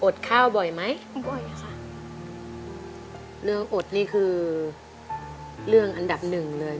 ข้าวบ่อยไหมบ่อยค่ะเรื่องอดนี่คือเรื่องอันดับหนึ่งเลย